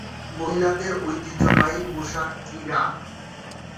মহিলাদের ঐতিহ্যবাহী পোশাক কিরা।